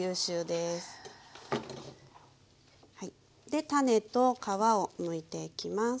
で種と皮をむいていきます。